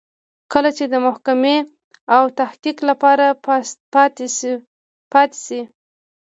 کله چې د محاکمې او تحقیق لپاره پاتې شي.